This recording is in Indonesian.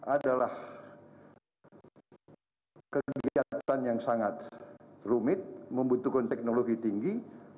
adalah kegiatan yang sangat rumit membutuhkan teknologi tinggi